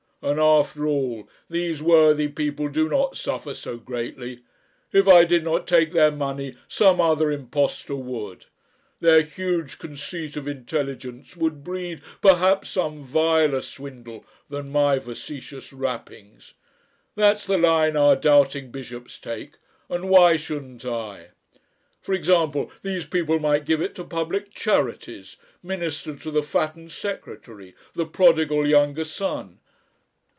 And after all, these worthy people do not suffer so greatly. If I did not take their money some other impostor would. Their huge conceit of intelligence would breed perhaps some viler swindle than my facetious rappings. That's the line our doubting bishops take, and why shouldn't I? For example, these people might give it to Public Charities, minister to the fattened secretary, the prodigal younger son.